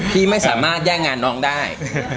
พี่ไม่สามารถแย่งงานน้องได้